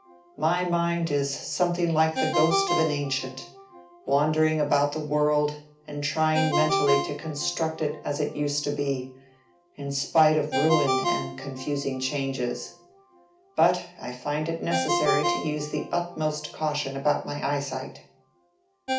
My mind is something like the ghost of an ancient, wandering about the world and trying mentally to construct it as it used to be, in spite of ruin and confusing changes. But I find it necessary to use the utmost caution about my eyesight."